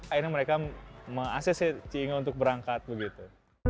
akhirnya mereka mengakses si inge untuk berangkat begitu